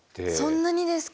そんなにですか？